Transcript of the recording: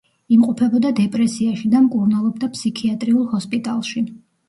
იმყოფებოდა დეპრესიაში და მკურნალობდა ფსიქიატრიულ ჰოსპიტალში.